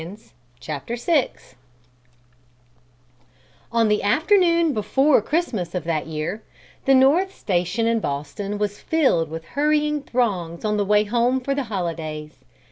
VI On the afternoon before Christmas of that year, the North Station in Boston was filled with hurrying throngs on the way home for the holidays.